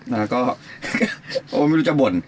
แล้วก็ไม่รู้จะบ่น